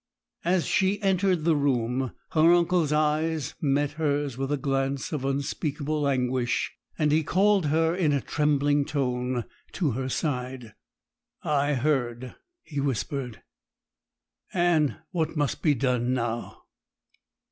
As she entered the room, her uncle's eyes met hers with a glance of unspeakable anguish, and he called her in a trembling tone to her side. 'I heard,' he whispered. 'Anne, what must be done now?'